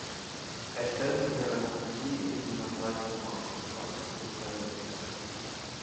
"Erstellen Sie mir eine Kopie im DIN-A-drei Format", bat Guido seine Sekretärin.